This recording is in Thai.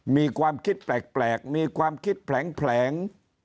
มีความคิดแปลกมีความคิดแผลง